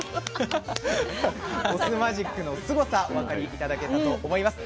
お酢マジックのすごさお分かり頂けたと思います。